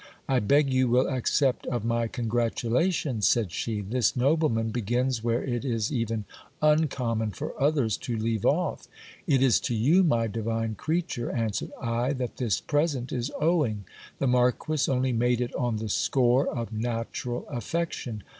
I beg you will accept of my congratulations, said she ; this nobleman begins where it is even uncommon for others to leave off. It is to you, my divine creature, answered I, that this present is owing ; the marquis only made it on the score of natural affection.